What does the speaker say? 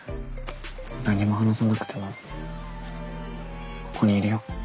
何も話さなくてもここにいるよ。